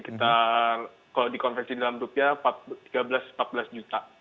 kalau dikonveksi dalam rupiah tiga belas empat belas juta